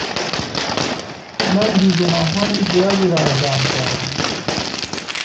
آنان بیگناهان زیادی را اعدام کردند.